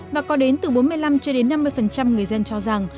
và có đến từ bốn mươi năm cho đến năm mươi người dân cho rằng